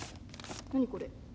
何これ。